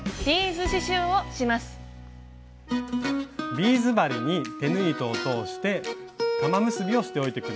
ビーズ針に手縫い糸を通して玉結びをしておいて下さい。